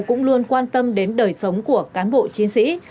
cũng luôn quan tâm đến đời sống của cán bộ chiến sĩ